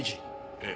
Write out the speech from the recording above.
ええ。